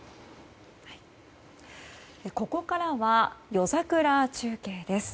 ここからは夜桜中継です。